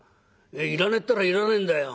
いらねえったらいらねえんだよ」。